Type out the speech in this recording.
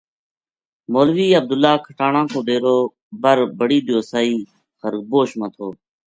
مولوی عبداللہ کھٹانہ کو ڈیرو بر بڑی دیواسئی خربوش ما تھو